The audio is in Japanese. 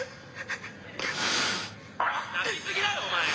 「泣きすぎだよお前！